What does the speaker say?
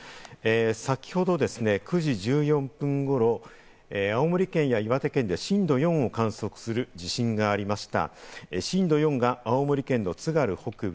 先ほどですね、９時１４分ごろ、青森県や岩手県で震度４を観測する地震がありました。